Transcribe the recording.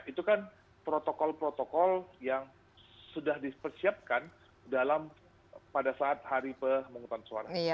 itu kan protokol protokol yang sudah dipersiapkan pada saat hari pemungutan suara